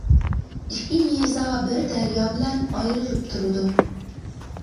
ئىككى يېزا بىر دەريا بىلەن ئايرىلىپ تۇرىدۇ.